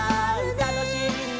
「たのしいね」